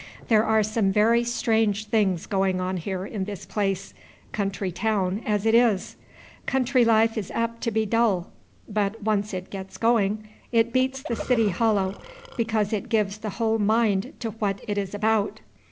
There are some very strange things going on here in this place, country town as it is. Country life is apt to be dull; but when it once gets going, it beats the city hollow, because it gives its whole mind to what it is about.